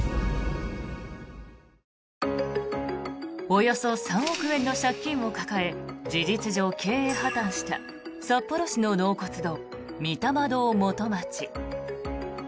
およそ３億円の借金を抱え事実上、経営破たんした札幌市の納骨堂、御霊堂元町。